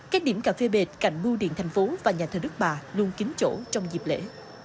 các điểm cà phê bệt cạnh bưu điện thành phố và nhà thờ đức bà luôn kín chỗ trong dịp lễ